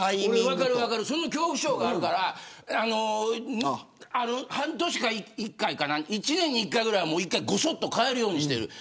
分かる、その恐怖症があるから半年か１回、１年に１回ぐらいはごそっと替えるようにしている。